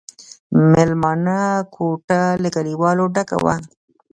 مېلمانه کوټه له کليوالو ډکه وه.